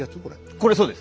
これそうです。